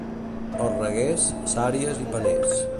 Als Reguers, sàries i paners.